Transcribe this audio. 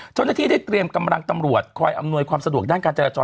เจ้าหน้าที่ได้เตรียมกำลังตำรวจคอยอำนวยความสะดวกด้านการจราจร